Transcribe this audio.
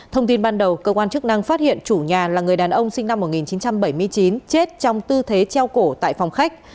thông tin ban đầu cơ quan chức năng phát hiện chủ nhà là người đàn ông sinh năm một nghìn chín trăm bảy mươi chín chết trong tư thế treo cổ tại phòng khách